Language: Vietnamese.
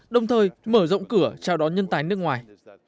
đồng thời mở rộng cửa chào đón nhân tài nước ngoài